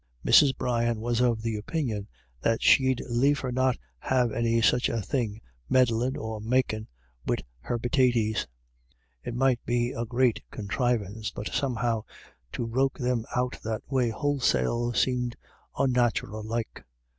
Mrs. Brian was of the opinion that she'd liefer not have any such a thing meddlin' or makin* wid A WET DAY. 93 her pitaties. It might be a great conthrivance, but somehow to roke them out that way wholesale seemed onnatural like.